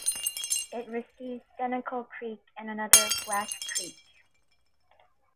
It receives Senecal Creek and another Black Creek.